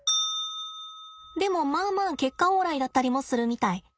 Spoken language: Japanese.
でもまあまあ結果オーライだったりもするみたい。